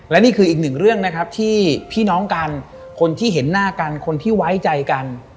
และนี่คืออีกหนึ่งเรื่องนะครับที่พี่น้องกันคนที่เห็นหน้ากันคนที่ไว้ใจกัน